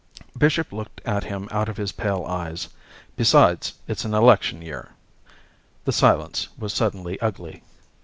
Bishop looked at him out of his pale eyes. "Besides, it's an election year." The silence was suddenly ugly.